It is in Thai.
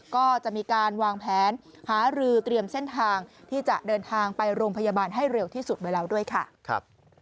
ก็จะมีการวางแผนหารือเตรียมเส้นทางที่จะเดินทางไปโรงพยาบาลให้เร็วที่สุดไว้แล้วด้วยค่ะ